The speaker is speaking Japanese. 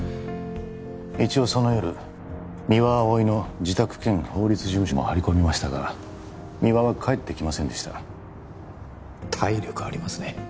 一応その夜三輪碧の自宅兼法律事務所も張り込みましたが三輪は帰ってきませんでした体力ありますね